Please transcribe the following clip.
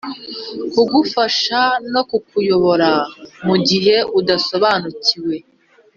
kugufasha no kukuyobora mugihe udasobanukiwe.